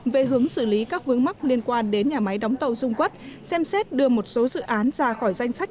về hướng xử lý các vướng mắc liên quan đến nhà máy đóng tàu dung quất xem xét đưa một số dự án ra khỏi danh sách